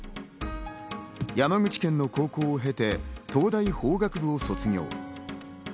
山口県の高校を経て東大法学部を卒業。